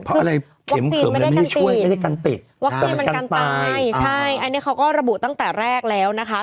เพราะอะไรวัคซีนไม่ได้กันติดไม่ได้กันติดวัคซีนมันกันตายใช่อันนี้เขาก็ระบุตั้งแต่แรกแล้วนะคะ